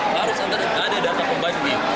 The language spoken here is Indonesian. harus antara ada data pembali